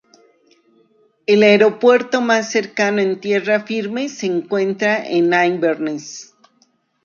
El aeropuerto más cercano en tierra firme se encuentra en Inverness.